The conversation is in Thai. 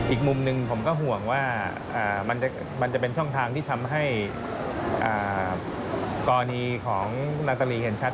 อีกมุมหนึ่งผมก็ห่วงว่ามันจะเป็นช่องทางที่ทำให้กรณีของนาตาลีเห็นชัด